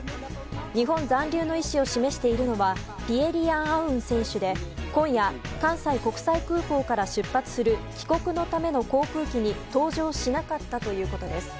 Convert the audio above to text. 日本残留の意思を示しているのはピエ・リアン・アウン選手で今夜、関西国際空港から出発する帰国のための航空機に搭乗しなかったということです。